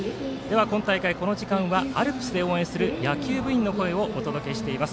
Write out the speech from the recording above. この時間はアルプスで応援する野球部員の声をお届けします。